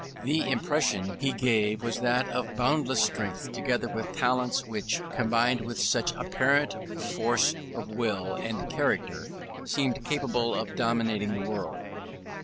The impression he gave was that of boundless strength, together with talents which, combined with such apparent force of will and character, seemed capable of dominating the world.